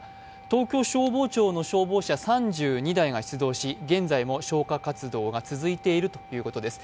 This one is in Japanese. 東京消防庁の消防車３２台が出動し現在も消火活動が続いているということです。